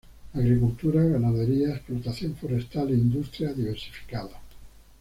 Agricultura, ganadería, explotación forestal e industria diversificada.